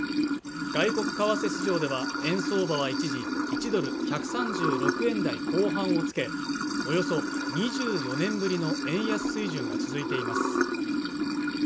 外国為替市場では円相場は一時１ドル＝１３６円台後半をつけおよそ２４年ぶりの円安水準が続いています